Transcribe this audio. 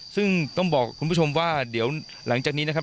ซึ่งต้องบอกว่าเดี๋ยวหลังจากนี้นะครับ